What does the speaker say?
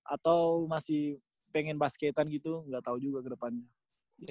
atau masih pengen basketan gitu gak tau juga kedepannya